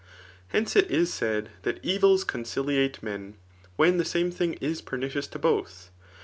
Hence, it is said that evils conciliate men, when the same thing is pernicious to both.